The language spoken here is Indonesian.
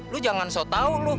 lu jangan so tau lo